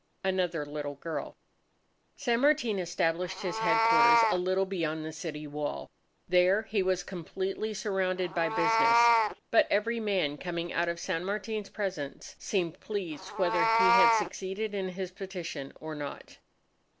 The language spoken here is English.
Another Little Girl San Martin established his headquarters a little beyond the city wall. There he was completely surrounded by business. But every man coming out of San Martin's presence, seemed pleased whether he had succeeded in his petition or not.